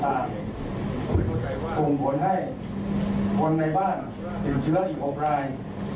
ส่งผลให้คนในบ้านติดเชื้ออีก๖ราย